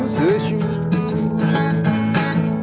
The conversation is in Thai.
มีคนเดียว